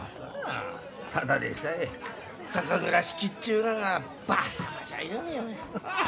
ただでさえ酒蔵仕切っちゅうががばあ様じゃゆうに。